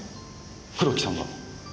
黒木さんが？